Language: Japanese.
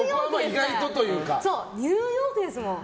ニューヨークですもん。